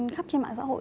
khắp trên mạng xã hội